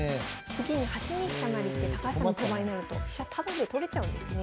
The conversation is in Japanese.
次に８二飛車成って高橋さんの手番になると飛車タダで取れちゃうんですね。